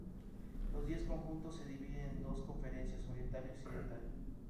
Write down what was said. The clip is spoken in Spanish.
Los diez conjuntos se dividen en dos conferencias: Oriental y Occidental.